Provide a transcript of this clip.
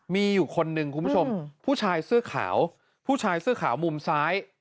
มีอยู่คนหนึ่งคุณผู้ชมผู้ชายเสื้อขาวผู้ชายเสื้อขาวมุมซ้าย